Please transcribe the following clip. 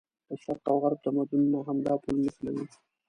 د شرق او غرب تمدونونه همدا پل نښلوي.